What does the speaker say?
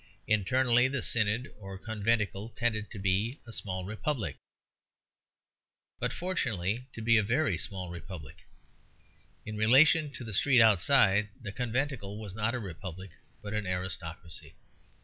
Internally the synod or conventicle tended to be a small republic, but unfortunately to be a very small republic. In relation to the street outside the conventicle was not a republic but an aristocracy.